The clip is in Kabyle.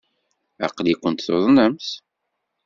Aql-ikent tuḍnemt!